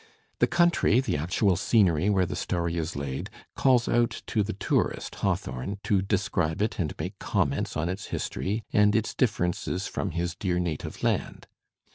The countiy, the actual scenery where the story is laid, calls out to the tourist, Hawthorne, to describe it and make comments on its history and its differences from his "dear native land."